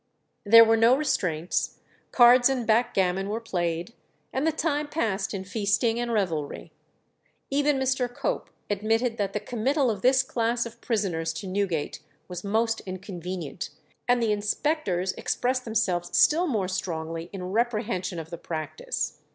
There were no restraints, cards and backgammon were played, and the time passed in feasting and revelry. Even Mr. Cope admitted that the committal of this class of prisoners to Newgate was most inconvenient, and the inspectors expressed themselves still more strongly in reprehension of the practice.